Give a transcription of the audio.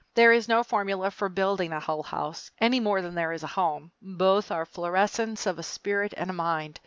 There is no formula for building a Hull House any more than there is a home. Both are the florescence of a spirit and a mind.